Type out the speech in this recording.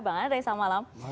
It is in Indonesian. bang andri selamat malam